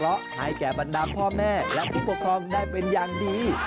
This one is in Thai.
เพราะให้แก่บรรดาพ่อแม่และผู้ปกครองได้เป็นอย่างดี